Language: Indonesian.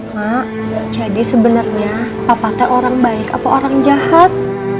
mak jadi sebenarnya papa teh orang baik apa orang jahat